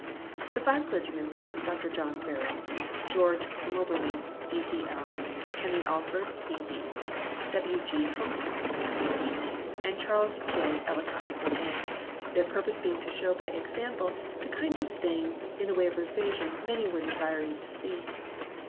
The five clergymen were Dr John Barrow, George Moberly, D.C.L., Henry Alford, B.D., W. G. Humphrey, B.D., and Charles J. Ellicott, M.A., their purpose being to show by example the kind of thing in the way of revision many were desiring to see.